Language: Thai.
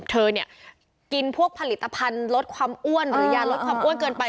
เธอเนี่ยกินพวกผลิตภัณฑ์ลดความอ้วนหรือยาลดความอ้วนเกินไป